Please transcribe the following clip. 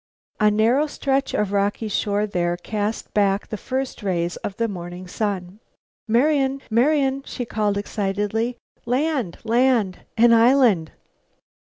A narrow stretch of rocky shore there cast back the first rays of the morning sun. "Marian! Marian!" she called excitedly. "Land! Land! An island!"